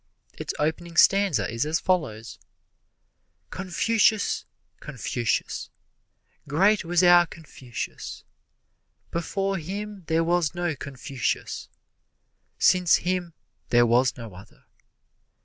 Its opening stanza is as follows: Confucius! Confucius! Great was our Confucius! Before him there was no Confucius, Since him there was no other.